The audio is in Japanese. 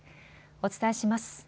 お伝えします。